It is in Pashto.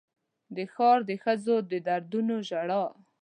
د ښار د ښځو د دردونو ژړا